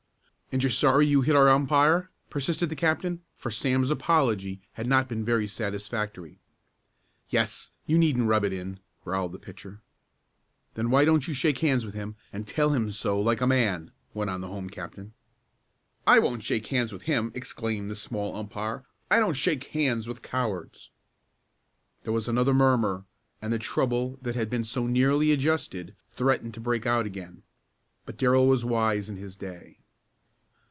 "And you're sorry you hit our umpire?" persisted the captain, for Sam's apology had not been very satisfactory. "Yes. You needn't rub it in," growled the pitcher. "Then why don't you shake hands with him, and tell him so like a man?" went on the home captain. "I won't shake hands with him!" exclaimed the small umpire. "I don't shake hands with cowards!" There was another murmur, and the trouble that had been so nearly adjusted threatened to break out again. But Darrell was wise in his day.